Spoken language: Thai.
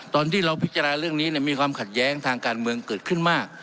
ตอนที่เราพิจารณาเรื่องนี้มีความขัดแย้งทางการเมืองเกิดขึ้นมาก